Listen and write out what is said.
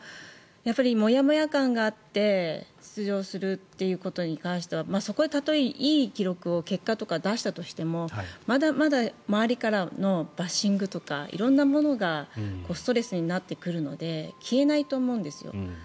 もやもや感があって出場するということに関してはそこでたとえいい記録を結果として出したとしてもまだまだ周りからのバッシングとか色んなものがストレスになってくるので消えないと思うんですよ。